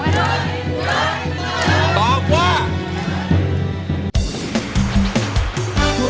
ให้เวลาตัดในใจ